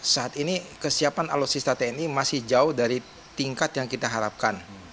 saat ini kesiapan alutsista tni masih jauh dari tingkat yang kita harapkan